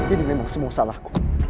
ini memang semua salahku